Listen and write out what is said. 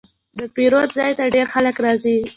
د پیرود ځای ته ډېر خلک راځي.